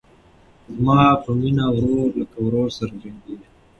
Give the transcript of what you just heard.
زما په مینه ورور له ورور سره جنګیږي